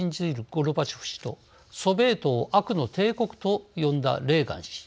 ゴルバチョフ氏と「ソビエトを悪の帝国」と呼んだレーガン氏。